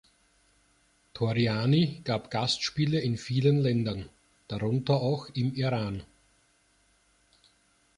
Torriani gab Gastspiele in vielen Ländern, darunter auch im Iran.